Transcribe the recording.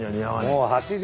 もう８時だ。